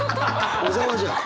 「小沢」じゃん。